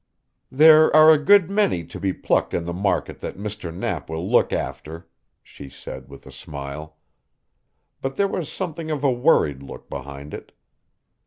"There are a good many to be plucked in the market that Mr. Knapp will look after," she said with a smile. But there was something of a worried look behind it.